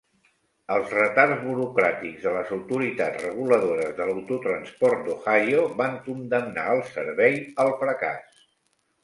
Els retards burocràtics de les autoritats reguladores de l'autotransport d'Ohio van condemnar el servei al fracàs.